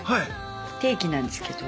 定期なんですけど。